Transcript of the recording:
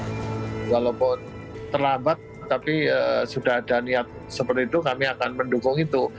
walaupun terlambat tapi sudah ada niat seperti itu kami akan mendukung itu